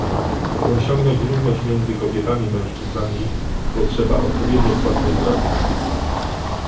By osiągnąć równość między kobietami i mężczyznami, potrzeba odpowiednio płatnej pracy